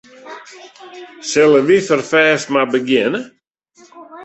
Sille wy ferfêst mar begjinne?